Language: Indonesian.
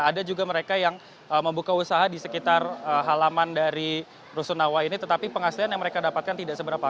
ada juga mereka yang membuka usaha di sekitar halaman dari rusunawa ini tetapi penghasilan yang mereka dapatkan tidak seberapa